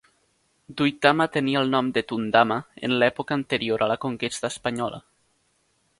Duitama tenia el nom de Tundama en l'època anterior a la conquesta espanyola.